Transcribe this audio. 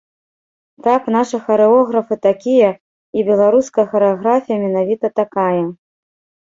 Так, нашы харэографы такія, і беларуская харэаграфія менавіта такая.